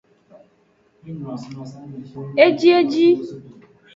Ejieji.